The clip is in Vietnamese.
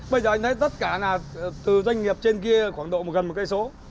bây giờ anh thấy tất cả là từ doanh nghiệp trên kia khoảng độ gần một km